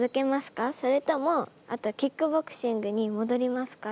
それともキックボクシングに戻りますか？